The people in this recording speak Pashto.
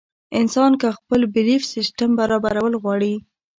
انسان کۀ خپل بيليف سسټم برابرول غواړي